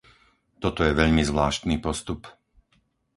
Toto je veľmi zvláštny postup.